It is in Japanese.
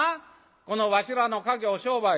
このわしらの稼業商売